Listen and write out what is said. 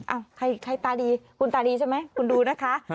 ใครตาดีคุณตาดีใช่ไหมคุณดูนะคะ